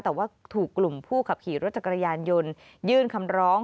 แต่ว่าถูกกลุ่มผู้ขับขี่รถจักรยานยนต์ยื่นคำร้อง